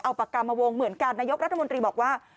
เอาปากกามาวงเหมือนกันนายกรัฐมนตรีบอกว่า